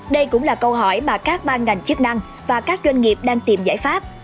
đây cũng là câu hỏi mà các ban ngành chức năng và các doanh nghiệp đang tìm giải pháp